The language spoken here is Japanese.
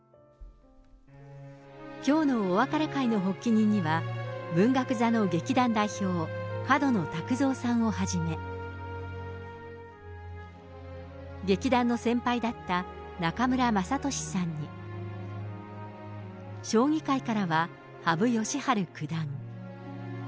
きょうのお別れ会の発起人には、文学座の劇団代表、角野卓造さんをはじめ、劇団の先輩だった中村雅俊さんに、将棋界からは羽生善治九段。